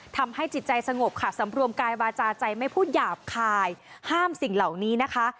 ทำให้จิตใจสงบค่ะสำรวมกายวาจาใจไม่พูดหยาบคายห้ามสิ่งเหล่านี้นะคะ